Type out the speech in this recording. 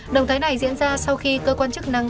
động thái này diễn ra sau khi cơ quan chức năng